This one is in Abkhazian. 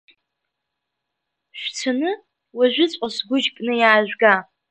Шәцаны, уажәыҵәҟьа сгәыжь кны иаажәга!